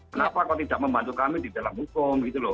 kenapa kok tidak membantu kami di dalam hukum gitu loh